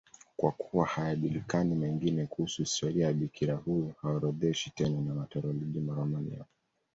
Kwa kuwa hayajulikani mengine kuhusu historia ya bikira huyo, haorodheshwi tena na Martyrologium Romanum.